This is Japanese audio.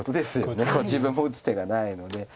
自分も打つ手がないので。